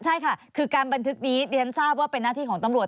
ใช่ค่ะคือการบันทึกนี้เรียนทราบว่าเป็นหน้าที่ของตำรวจ